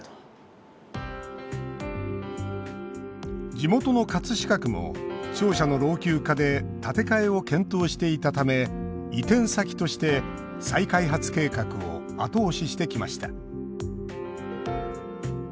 地元の葛飾区も庁舎の老朽化で建て替えを検討していたため移転先として再開発計画を後押ししてきました。